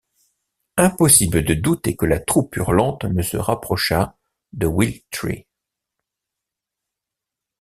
Impossible de douter que la troupe hurlante ne se rapprochât de Will-Tree.